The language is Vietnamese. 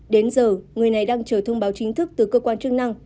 đến giờ người này đang chờ thông báo chính thức từ cơ quan chức năng